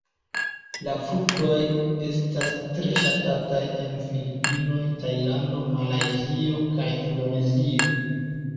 La fruktoj estas tre ŝatataj en Filipinoj, Tajlando, Malajzio kaj Indonezio.